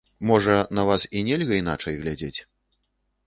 Можа, на вас і нельга іначай глядзець.